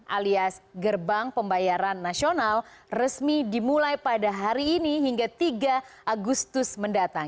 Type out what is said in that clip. alias gerbang pembayaran nasional resmi dimulai pada hari ini hingga tiga agustus mendatang